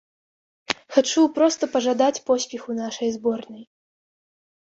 Хачу проста пажадаць поспеху нашай зборнай.